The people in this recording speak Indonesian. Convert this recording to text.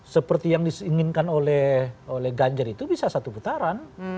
seperti yang diinginkan oleh ganjar itu bisa satu putaran